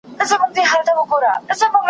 ابليس وركړله پر مخ څپېړه كلكه ,